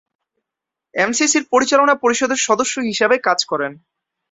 এমসিসি’র পরিচালনার পরিষদের সদস্য হিসেবে কাজ করেন।